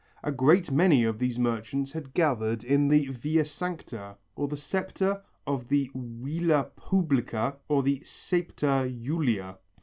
A great many of these merchants had gathered in the Via Sacra or the Septa of the Villa Publica, or Septa Julia.